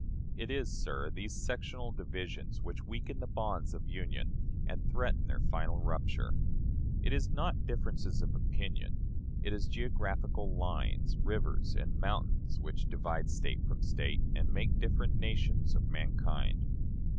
It is, sir, these sectional divisions which weaken the bonds of union and threaten their final rupture. It is not differences of opinion it is geographical lines, rivers and mountains which divide State from State, and make different nations of mankind.